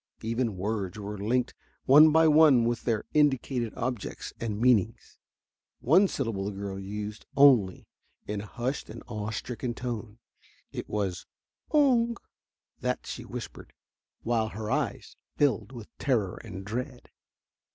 Even words were linked one by one with their indicated objects and meanings. One syllable the girl used only in a hushed and awe stricken tone. It was "Oong" that she whispered, while her eyes filled with terror and dread.